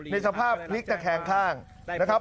ในสภาพพลิกตะแคงข้างนะครับ